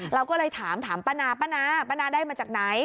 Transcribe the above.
เราก็เลยถามถามป้านาป้านาป้านาได้มาจากไหน